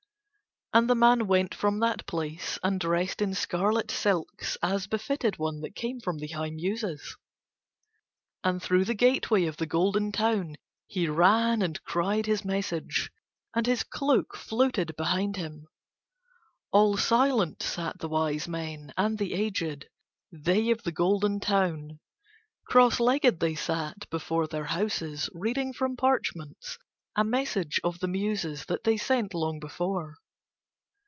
And the man went from that place and dressed in scarlet silks as befitted one that came from the high Muses. And through the gateway of the Golden Town he ran and cried his message, and his cloak floated behind him. All silent sat the wise men and the aged, they of the Golden Town; cross legged they sat before their houses reading from parchments a message of the Muses that they sent long before.